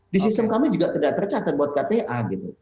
di sistem kami juga tidak tercatat buat kta gitu